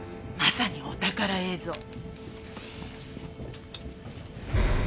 まさにお宝映像。